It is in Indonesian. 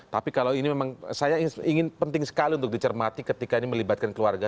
tapi kalau ini memang saya ingin penting sekali untuk dicermati ketika ini melibatkan keluarga